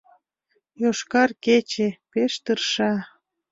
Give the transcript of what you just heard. «Йошкар кече» пеш тырша